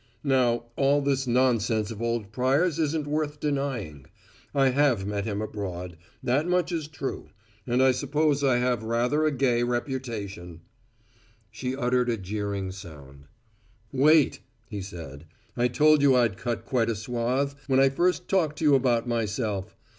"Now, all this nonsense of old Pryor's isn't worth denying. I have met him abroad; that much is true and I suppose I have rather a gay reputation " She uttered a jeering shout. "Wait!" he said. "I told you I'd cut quite a swathe, when I first talked to you about myself.